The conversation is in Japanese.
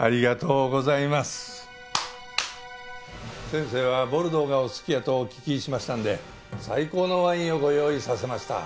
先生はボルドーがお好きやとお聞きしましたんで最高のワインをご用意させました。